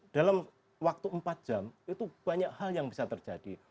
dalam waktu empat jam itu banyak hal yang bisa terjadi